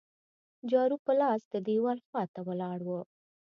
جارو په لاس د دیوال خوا ته ولاړ وو.